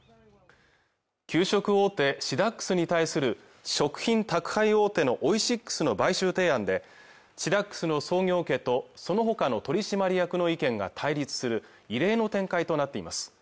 給食大手シダックスに対する食品宅配大手のオイシックスの買収提案でチラックスの創業家とそのほかの取締役の意見が対立する異例の展開となっています